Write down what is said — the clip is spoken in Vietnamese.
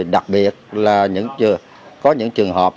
đặc biệt là có những trường hợp